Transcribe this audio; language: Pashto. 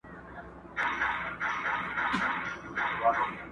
چي سپارې مي د هغه ظالم دُرې ته؛